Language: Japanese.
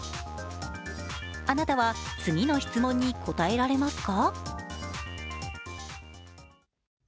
あなたは次の質問に答えられますか？